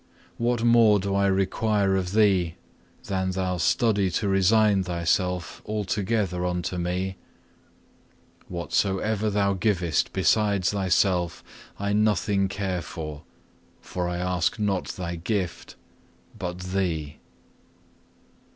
What more do I require of thee than thou study to resign thyself altogether unto Me? Whatsoever thou givest besides thyself, I nothing care for, for I ask not thy gift, but thee.